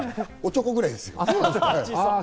私の器はおちょこぐらいですよ。